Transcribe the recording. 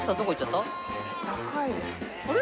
あれ？